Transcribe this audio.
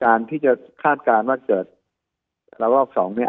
การที่จะคาดการณ์ว่าเกิดเป็นแล้วีดีจักรของสองเนี่ย